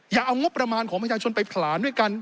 อย่าเอางบประมาณของประชาชนไปผลาญด้วยกัน